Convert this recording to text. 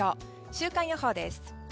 週間予報です。